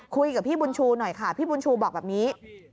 คุยกับพี่บุญชูหน่อยค่ะพี่บุญชูบอกแบบนี้